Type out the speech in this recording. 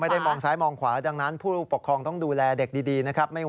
ได้มองซ้ายมองขวาดังนั้นผู้ปกครองต้องดูแลเด็กดีนะครับ